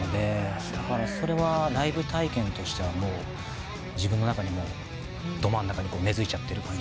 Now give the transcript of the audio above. だからそれはライブ体験としては自分の中にど真ん中に根付いちゃってる感じがあります。